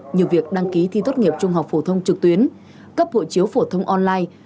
như việc đăng ký thi tốt nghiệp trung học phổ thông trực tuyến cấp hộ chiếu phổ thông online